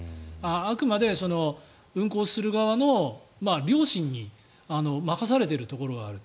あくまで運航する側の良心に任されているところがある。